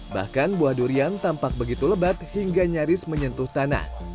bahkan buah durian tampak begitu lebat hingga nyaris menyentuh tanah